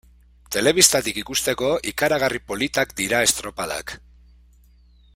Telebistatik ikusteko, ikaragarri politak dira estropadak.